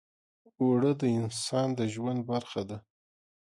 اوړه د انسان د ژوند برخه ده